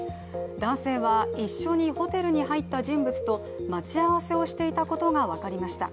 男性は一緒にホテルに入った人物と待ち合わせをしていたことが分かりました。